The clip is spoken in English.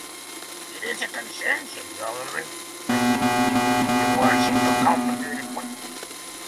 It is a consensus government called the Legislative Assembly.